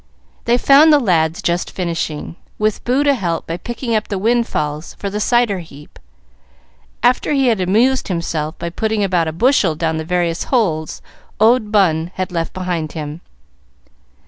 They found the lads just finishing, with Boo to help by picking up the windfalls for the cider heap, after he had amused himself by putting about a bushel down the various holes old Bun had left behind him.